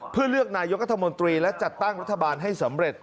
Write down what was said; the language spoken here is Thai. เพื่อเลือกนายกรัฐมนตรีและจัดตั้งรัฐบาลให้สำเร็จ